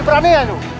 berani berani ya lu